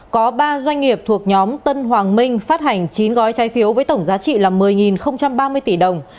có ba doanh nghiệp thuộc nhóm tân hoàng minh phát hành chín gói trái phiếu với tổng giá trị là một mươi ba mươi tỷ đồng